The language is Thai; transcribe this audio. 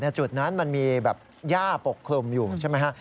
จุดนั้นมันมีแบบย่าปกคลุมอยู่ใช่ไหมฮะ